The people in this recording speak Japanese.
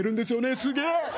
すげえ！